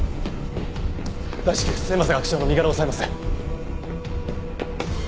大至急末政学長の身柄を押さえます。